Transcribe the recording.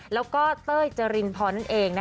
และเต้ยเจารินพร